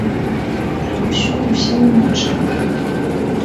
Там усё зусім іначай.